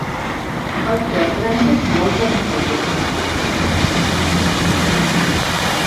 Altres granges envolten el poble.